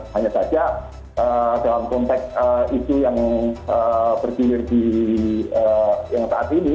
hanya saja dalam konteks isu yang bergilir di yang saat ini